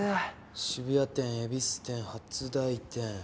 渋谷店恵比寿店初台店。